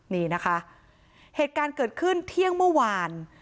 นี่นะคะเหตุการณ์เกิดขึ้นเที่ยงเมื่อวาน